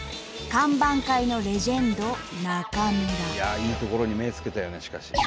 いいところに目つけたよねしかし。